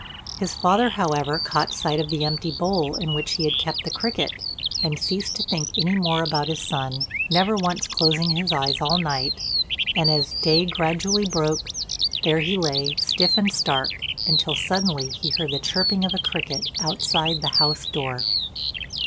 His father, however, caught sight of the empty bowl in which he had kept the cricket, and ceased to think any more about his son, never once closing his eyes all night; and as day gradually broke, there he lay stiff and stark, until suddenly he heard the chirping of a cricket outside the house door.